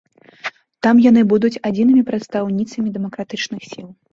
Там яны будуць адзінымі прадстаўніцамі дэмакратычных сіл.